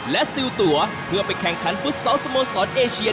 และซิลตัวเพื่อไปแข่งขันฟุตซอลสโมสรเอเชีย